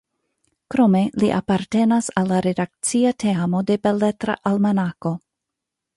Krome, li apartenas al la redakcia teamo de Beletra Almanako.